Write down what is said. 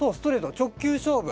直球勝負。